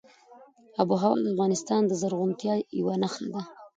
آب وهوا د افغانستان د زرغونتیا یوه نښه ده.